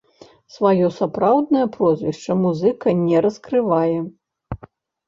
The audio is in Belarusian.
Сваё сапраўднае прозвішча музыка не раскрывае.